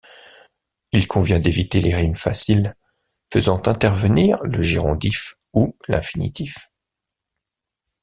Il convient d'éviter les rimes faciles faisant intervenir le gérondif ou l'infinitif.